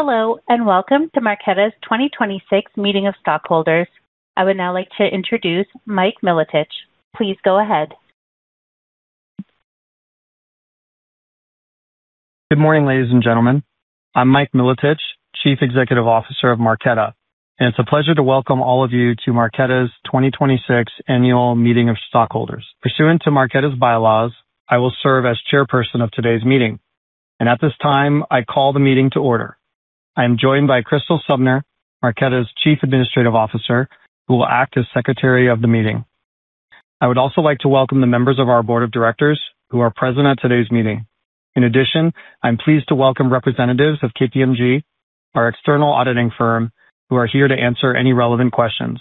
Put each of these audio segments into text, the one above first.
Hello, and welcome to Marqeta's 2026 Meeting of Stockholders. I would now like to introduce Mike Milotich. Please go ahead. Good morning, ladies and gentlemen. I'm Mike Milotich, Chief Executive Officer of Marqeta, it's a pleasure to welcome all of you to Marqeta's 2026 Annual Meeting of Stockholders. Pursuant to Marqeta's bylaws, I will serve as Chairperson of today's meeting, at this time, I call the meeting to order. I am joined by Crystal Sumner, Marqeta's Chief Administrative Officer, who will act as secretary of the meeting. I would also like to welcome the members of our Board of Directors who are present at today's meeting. In addition, I'm pleased to welcome representatives of KPMG, our external auditing firm, who are here to answer any relevant questions.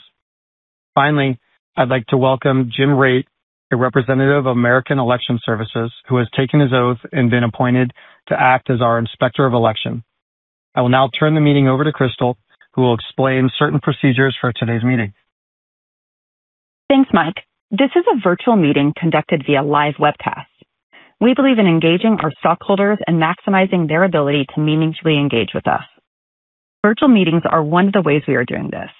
Finally, I'd like to welcome Jim Rate, a representative of American Election Services, who has taken his oath and been appointed to act as our inspector of election. I will now turn the meeting over to Crystal, who will explain certain procedures for today's meeting. Thanks, Mike. This is a virtual meeting conducted via live webcast. We believe in engaging our stockholders and maximizing their ability to meaningfully engage with us. Virtual meetings are one of the ways we are doing this.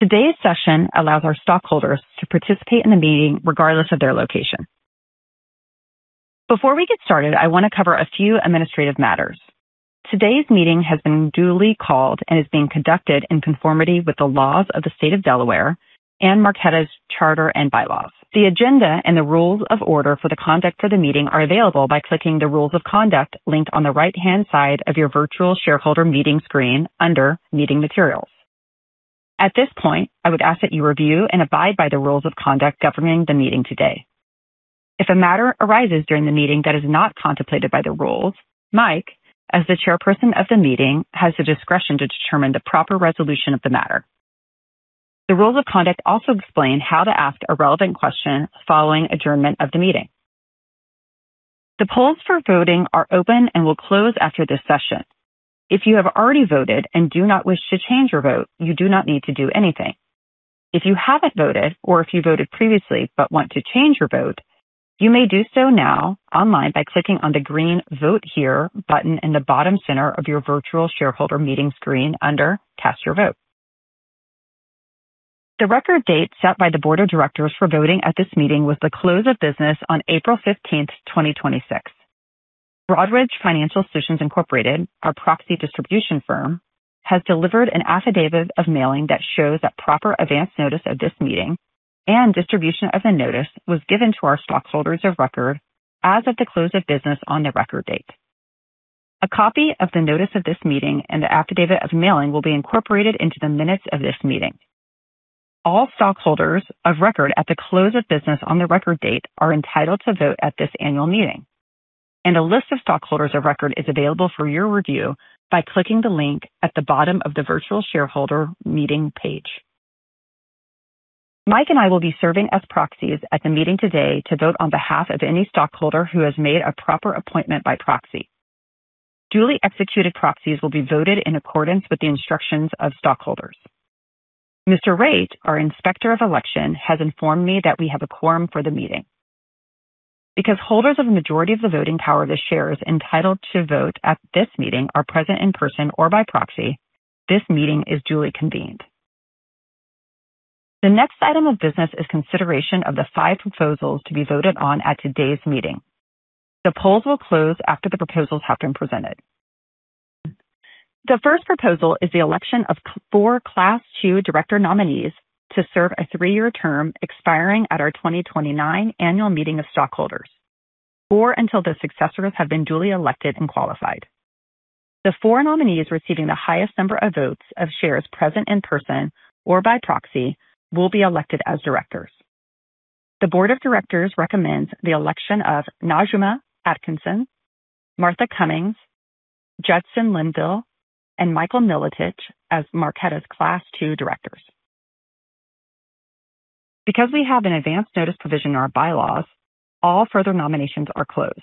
Today's session allows our stockholders to participate in the meeting regardless of their location. Before we get started, I want to cover a few administrative matters. Today's meeting has been duly called and is being conducted in conformity with the laws of the state of Delaware and Marqeta's charter and bylaws. The agenda and the Rules of Order for the conduct of the meeting are available by clicking the Rules of Conduct link on the right-hand side of your virtual shareholder meeting screen under Meeting Materials. At this point, I would ask that you review and abide by the Rules of Conduct governing the meeting today. If a matter arises during the meeting that is not contemplated by the rules, Mike, as the Chairperson of the meeting, has the discretion to determine the proper resolution of the matter. The rules of conduct also explain how to ask a relevant question following adjournment of the meeting. The polls for voting are open and will close after this session. If you have already voted and do not wish to change your vote, you do not need to do anything. If you haven't voted or if you voted previously but want to change your vote, you may do so now online by clicking on the green Vote Here button in the bottom center of your virtual shareholder meeting screen under Cast Your Vote. The record date set by the Board of Directors for voting at this meeting was the close of business on April 15th, 2026. Broadridge Financial Solutions, Incorporated, our proxy distribution firm, has delivered an affidavit of mailing that shows that proper advance notice of this meeting and distribution of the notice was given to our stockholders of record as of the close of business on the record date. A copy of the notice of this meeting and the affidavit of mailing will be incorporated into the minutes of this meeting. All stockholders of record at the close of business on the record date are entitled to vote at this annual meeting, and a list of stockholders of record is available for your review by clicking the link at the bottom of the virtual shareholder meeting page. Mike and I will be serving as proxies at the meeting today to vote on behalf of any stockholder who has made a proper appointment by proxy. Duly executed proxies will be voted in accordance with the instructions of stockholders. Mr. Rate, our inspector of election, has informed me that we have a quorum for the meeting. Because holders of the majority of the voting power of the shares entitled to vote at this meeting are present in person or by proxy, this meeting is duly convened. The next item of business is consideration of the five proposals to be voted on at today's meeting. The polls will close after the proposals have been presented. The first proposal is the election of four Class II director nominees to serve a three-year term expiring at our 2029 annual meeting of stockholders, or until their successors have been duly elected and qualified. The four nominees receiving the highest number of votes of shares present in person or by proxy will be elected as directors. The Board of Directors recommends the election of Najuma Atkinson, Martha Cummings, Judson Linville, and Michael Milotich as Marqeta's Class II directors. Because we have an advance notice provision in our bylaws, all further nominations are closed.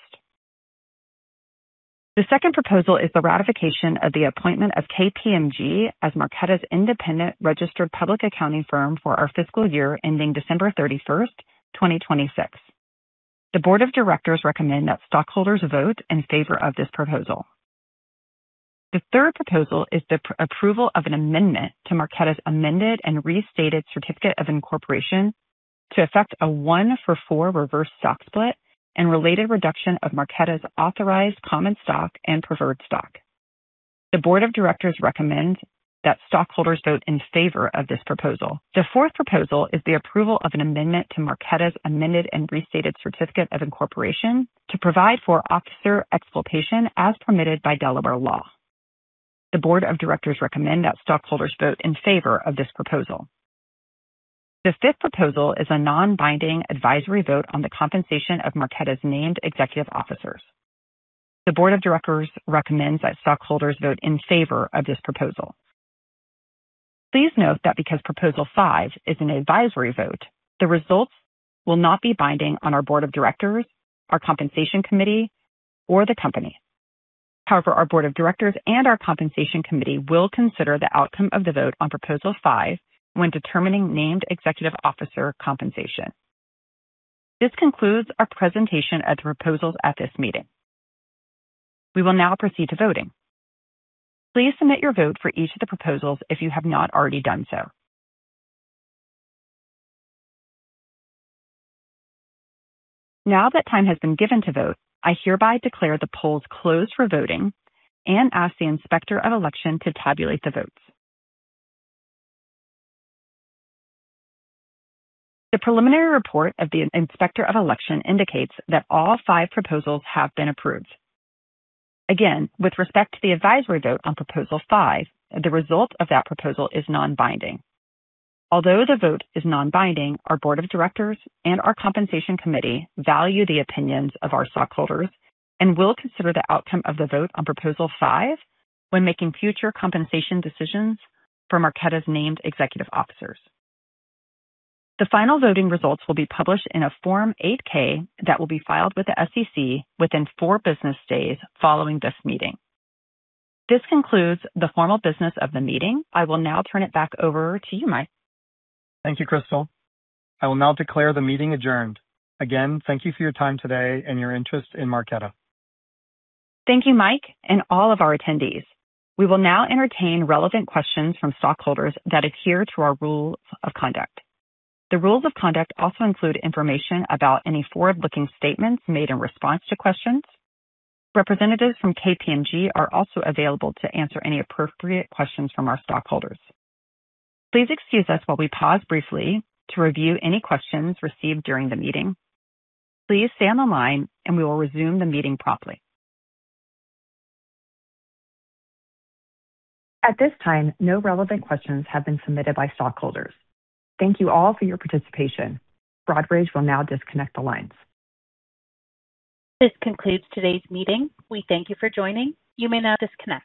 The second proposal is the ratification of the appointment of KPMG as Marqeta's independent registered public accounting firm for our fiscal year ending December 31st, 2026. The Board of Directors recommend that stockholders vote in favor of this proposal. The third proposal is the approval of an amendment to Marqeta's amended and restated certificate of incorporation to effect a one-for-four reverse stock split and related reduction of Marqeta's authorized common stock and preferred stock. The board of Directors recommends that stockholders vote in favor of this proposal. The fourth proposal is the approval of an amendment to Marqeta's amended and restated certificate of incorporation to provide for officer exculpation as permitted by Delaware law. The Board of Directors recommends that stockholders vote in favor of this proposal. The fifth proposal is a non-binding advisory vote on the compensation of Marqeta's named executive officers. The Board of Directors recommends that stockholders vote in favor of this proposal. Please note that because Proposal five is an advisory vote, the results will not be binding on our Board of Directors, our compensation committee, or the company. However, our Board of Directors and our compensation committee will consider the outcome of the vote on Proposal five when determining named executive officer compensation. This concludes our presentation of the proposals at this meeting. We will now proceed to voting. Please submit your vote for each of the proposals if you have not already done so. Now that time has been given to vote, I hereby declare the polls closed for voting and ask the Inspector of Election to tabulate the votes. The preliminary report of the Inspector of Election indicates that all five proposals have been approved. Again, with respect to the advisory vote on Proposal five, the result of that proposal is non-binding. Although the vote is non-binding, our Board of Directors and our compensation committee value the opinions of our stockholders and will consider the outcome of the vote on Proposal five when making future compensation decisions for Marqeta's named executive officers. The final voting results will be published in a Form 8-K that will be filed with the SEC within four business days following this meeting. This concludes the formal business of the meeting. I will now turn it back over to you, Mike. Thank you, Crystal. I will now declare the meeting adjourned. Again, thank you for your time today and your interest in Marqeta. Thank you, Mike, and all of our attendees. We will now entertain relevant questions from stockholders that adhere to our rules of conduct. The rules of conduct also include information about any forward-looking statements made in response to questions. Representatives from KPMG are also available to answer any appropriate questions from our stockholders. Please excuse us while we pause briefly to review any questions received during the meeting. Please stay on the line, and we will resume the meeting promptly. At this time, no relevant questions have been submitted by stockholders. Thank you all for your participation. Broadridge will now disconnect the lines. This concludes today's meeting. We thank you for joining. You may now disconnect.